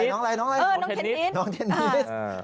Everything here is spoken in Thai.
น้องอะไรอ่ะน้องเทนนิส